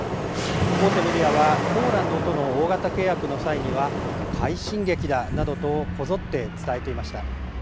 大手メディアは、ポーランドとの大型契約の際には、快進撃だなどと、こぞって伝えていました。